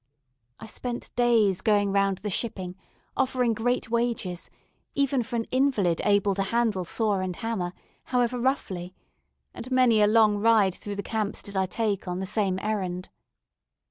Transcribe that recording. I spent days going round the shipping, offering great wages, even, for an invalid able to handle saw and hammer, however roughly, and many a long ride through the camps did I take on the same errand.